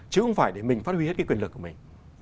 chứ không phải để mình phát huy hết cái quyền lực của mình